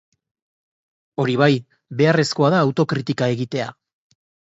Hori bai, beharrezkoa da autokritika egitea.